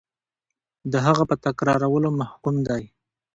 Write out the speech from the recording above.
د هغه په تکرارولو محکوم دی.